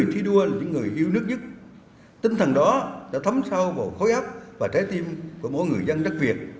tinh thần đó đã thấm sâu vào khối ấp và trái tim của mỗi người dân đất việt